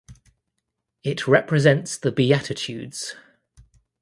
It represents the Beatitudes.